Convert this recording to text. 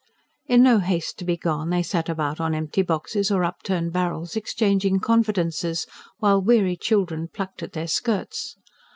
In no haste to be gone, they sat about on empty boxes or upturned barrels exchanging confidences, while weary children plucked at their skirts.